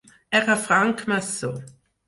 Era francmaçó.